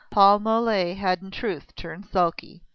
Paul Mole had in truth turned sulky.